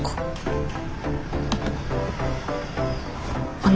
あの。